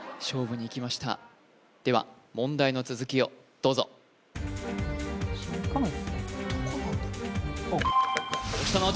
勝負にいきましたでは問題の続きをどうぞ・新幹線？